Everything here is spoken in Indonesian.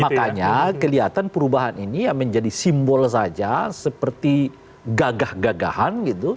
makanya kelihatan perubahan ini ya menjadi simbol saja seperti gagah gagahan gitu